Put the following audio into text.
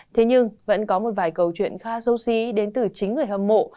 thế nhưng vẫn có một vài câu chuyện khá du xí đến từ chính người hâm mộ